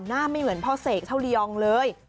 ไม่เหมือนพ่อเสกเท่าระยองเลย